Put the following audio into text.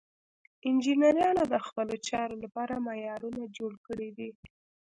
انجینرانو د خپلو چارو لپاره معیارونه جوړ کړي دي.